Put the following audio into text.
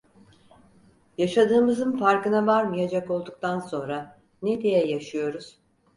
Yaşadığımızın farkına varmayacak olduktan sonra ne diye yaşıyoruz?